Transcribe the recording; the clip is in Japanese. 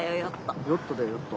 ヨットだヨット。